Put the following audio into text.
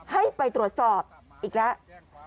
ให้ไปตรวจสอบอีกแล้ว